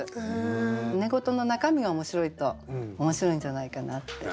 寝言の中身が面白いと面白いんじゃないかなって。